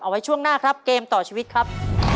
ไว้ช่วงหน้าครับเกมต่อชีวิตครับ